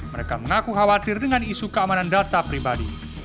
mereka mengaku khawatir dengan isu keamanan data pribadi